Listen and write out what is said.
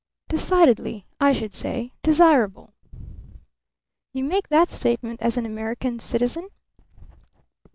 "Decidedly, I should say, desirable." "You make that statement as an American citizen?"